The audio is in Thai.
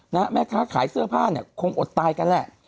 แม่ค้าขายเสื้อผ้าเนี่ยคงอดตายกันแหละ